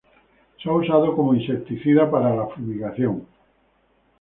Se ha usado como insecticida para la fumigación.